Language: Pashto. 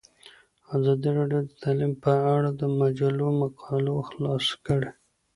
ازادي راډیو د تعلیم په اړه د مجلو مقالو خلاصه کړې.